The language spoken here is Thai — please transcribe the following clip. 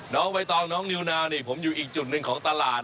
น้องใบตองน้องนิวนาวนี่ผมอยู่อีกจุดหนึ่งของตลาด